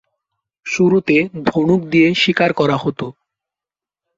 শুরুতে ধনুক দিয়ে শিকার করা হতো।